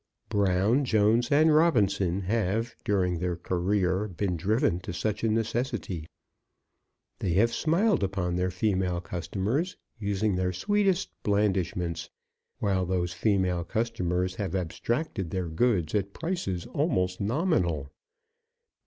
Brown, Jones, and Robinson have during their career been driven to such a necessity. They have smiled upon their female customers, using their sweetest blandishments, while those female customers have abstracted their goods at prices almost nominal.